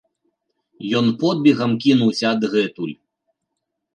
Ён подбегам кінуўся адгэтуль.